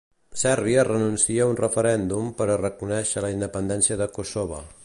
Sèrbia renuncia a un referèndum per a reconèixer la independència de Kossove.